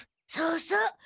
そうそう。